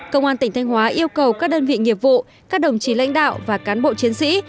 công an tỉnh thanh hóa yêu cầu các đơn vị nghiệp vụ các đồng chí lãnh đạo và cán bộ chiến sĩ